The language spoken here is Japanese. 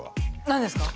何ですか？